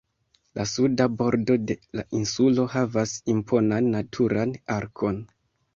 La suda bordo de la insulo havas imponan naturan arkon.